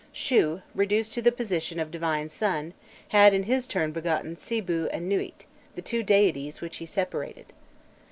Shû, reduced to the position of divine son, had in his turn begotten Sibû and Nûît, the two deities which he separated.